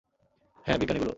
হ্যাঁ, বিজ্ঞানীগুলো!